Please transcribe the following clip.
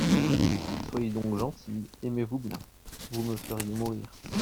Soyez donc gentilles, aimez-vous bien ! Vous me feriez mourir.